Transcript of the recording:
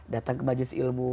datang ke majlis ilmu